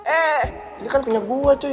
eh dia kan punya gue cuy